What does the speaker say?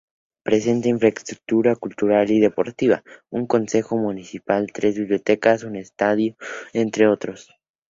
Presenta infraestructura cultural y deportiva: Un Concejo Municipal, tres Bibliotecas, un Estadio, entre otros.